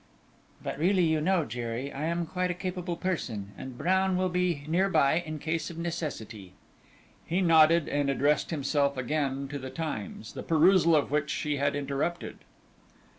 "But really you know, Jerry, I am quite a capable person, and Brown will be near by, in case of necessity." He nodded, and addressed himself again to the Times, the perusal of which she had interrupted.